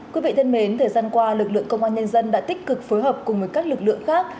quý vị thân mến thời gian qua lực lượng công an nhân dân đã tích cực phối hợp cùng với các lực lượng khác